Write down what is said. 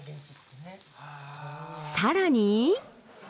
更に。